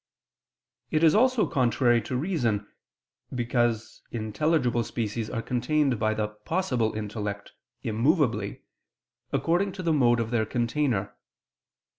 It is also contrary to reason, because intelligible species are contained by the "possible" intellect immovably, according to the mode of their container.